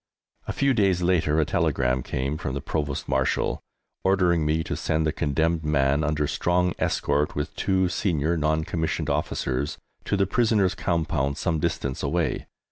A few days later a telegram came from the Provost Marshal ordering me to send the condemned man under strong escort, with two senior non commissioned officers, to the prisoners' compound some distance away.